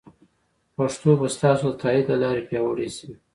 پښتو به ستاسو د تایید له لارې پیاوړې شي.